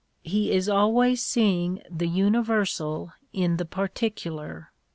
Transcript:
He is always seeing the universal in the particular.